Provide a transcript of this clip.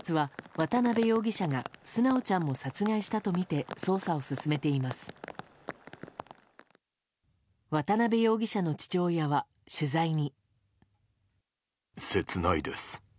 渡辺容疑者の父親は、取材に。